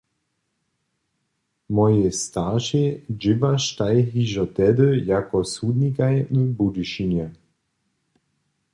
Mojej staršej dźěłaštaj hižo tehdy jako sudnikaj w Budyšinje.